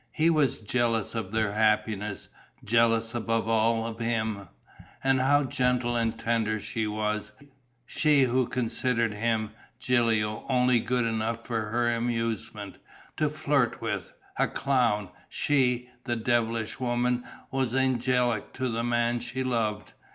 He was jealous of their happiness, jealous above all of him. And how gentle and tender she was, she who considered him, Gilio, only good enough for her amusement, to flirt with, a clown: she, the devilish woman, was angelic to the man she loved!